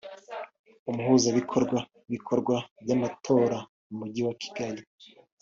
umuhuzabikorwa w’ibikorwa by’amatora mu Mujyi wa Kigali